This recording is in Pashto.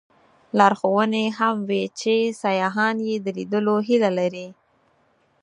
لارښوونې هم وې چې سیاحان یې د لیدلو هیله لري.